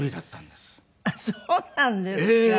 あっそうなんですか。